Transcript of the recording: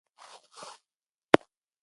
لوستې نجونې د ټولنې ګډې موخې روښانه کوي.